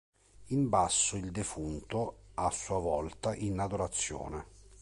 In basso il defunto a sua volta in adorazione.